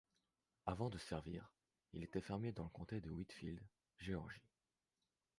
Avant de servir, il était fermier dans le comté de Whitfield, Géorgie.